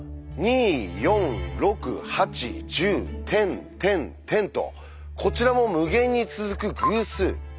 一方２４６８１０てんてんてんとこちらも無限に続く偶数。